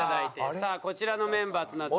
さあこちらのメンバーとなっております。